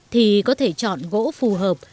thì có thể chọn gỗ phù hợp